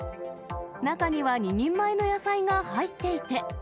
中には２人前の野菜が入っていて。